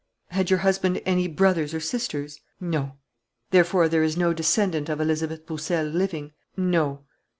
"Had your husband any brothers or sisters?" "No." "Therefore there is no descendant of Elizabeth Roussel living?" "No."